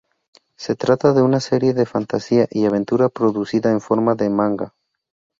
Se trata de una serie de fantasía y aventura producida en forma de manga.